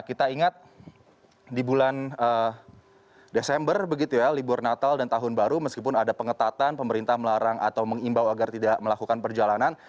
kita ingat di bulan desember begitu ya libur natal dan tahun baru meskipun ada pengetatan pemerintah melarang atau mengimbau agar tidak melakukan perjalanan